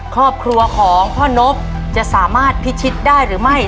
ครอบครัวของพ่อนบจะสามารถพิชิตได้หรือไม่